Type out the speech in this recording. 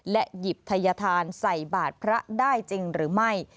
หยิบทัยธานใส่บาทพระได้จริงหรือไม่